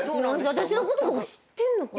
私のこと知ってんのかな？